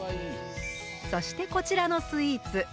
そしてこちらのスイーツ。